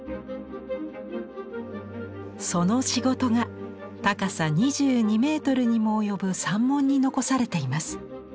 その仕事が高さ２２メートルにも及ぶ「三門」に残されています。